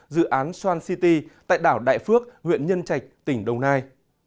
dự án xoan city tại đảo đại phước huyện nhân trạch tỉnh đồng nai